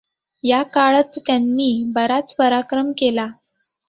या काळात त्यांनी बराच पराक्रम केला.